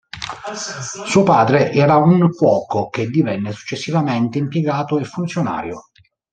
Suo padre era un cuoco, che divenne successivamente impiegato e funzionario.